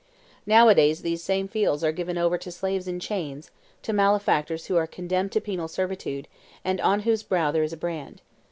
... Nowadays these same fields are given over to slaves in chains, to malefactors who are condemned to penal servitude, and on whose brow there is a brand.